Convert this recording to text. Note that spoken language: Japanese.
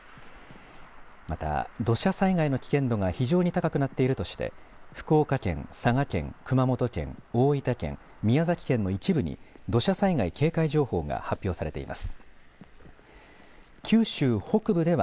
また土砂災害の危険度が非常に高くなっているとして福岡県、佐賀県、熊本県、大分県、宮崎県の一部に土砂災害警戒情報が発表されています。